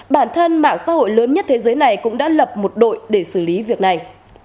bản thân mạng xã hội lớn nhất thế giới này cũng đã lập một đội để xử lý việc này